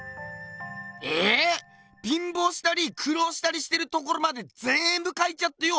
ええ⁉びんぼうしたりくろうしたりしてるところまでぜんぶ描いちゃってよ